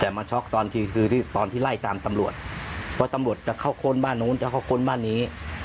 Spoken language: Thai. แต่มาช็อกตอนทีคือตอนที่ไล่ตามตำรวจเพราะตำรวจจะเข้าค้นบ้านนู้นจะเข้าค้นบ้านนี้